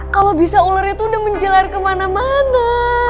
kalo bisa ularnya tuh udah menjelar kemana mana